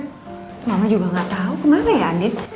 mama juga gak tau kemana ya andin